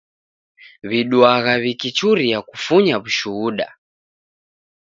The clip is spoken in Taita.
W'iduagha w'ikichuria kufunya w'ushuda.